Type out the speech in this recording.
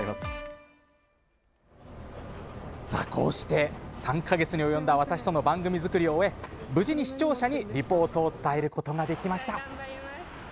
こうして３か月に及んだ私との番組作りを終え無事に視聴者にリポートを伝えることができました。